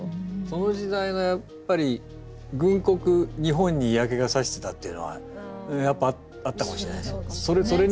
その時代のやっぱり軍国日本に嫌気がさしてたっていうのはやっぱあったかもしれないですよね。